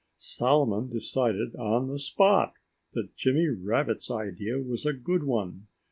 Solomon decided on the spot that Jimmy Rabbit's idea was a good one.